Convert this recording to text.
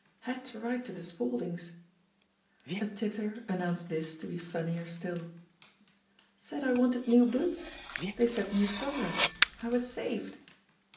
"'Had to write to the Spauldings." A titter announced this to be funnier stiU. "Said I wanted new boots. They sent me a sovereign — ^I was saved!"